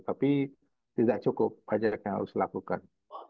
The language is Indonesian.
tapi tidak cukup banyak yang harus dilakukan